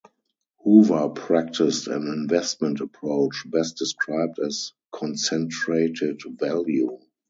Hoover practiced an investment approach best described as concentrated value.